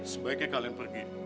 sebaiknya kalian pergi